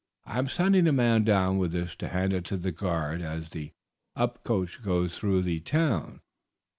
"I am sending a man down with this to hand it to the guard as the up coach goes through the town.